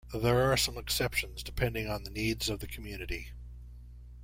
There are some exceptions, depending on the needs of the community.